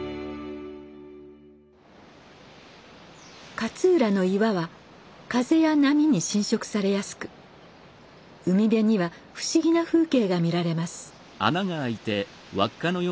勝浦の岩は風や波に浸食されやすく海辺には不思議な風景が見られます。